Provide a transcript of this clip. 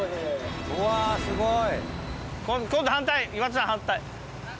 うわすごい！